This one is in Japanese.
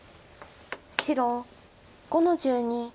白５の十二。